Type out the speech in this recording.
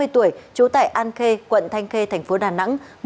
năm mươi tuổi trú tại an khê quận thanh khê tp đà nẵng